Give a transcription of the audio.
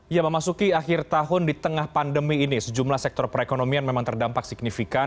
ya memasuki akhir tahun di tengah pandemi ini sejumlah sektor perekonomian memang terdampak signifikan